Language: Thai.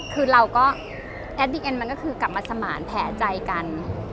คือเราก็กลับมาสมาร์นแผ่ใจกัน